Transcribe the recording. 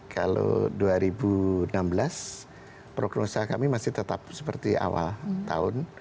kalau dua ribu enam belas program usaha kami masih tetap seperti awal tahun